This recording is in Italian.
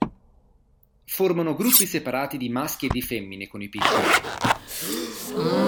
Formano gruppi separati di maschi e di femmine con i piccoli.